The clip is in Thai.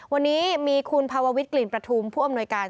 วันนี้มีคุณภาววิทย์กลิ่นประทุมผู้อำนวยการ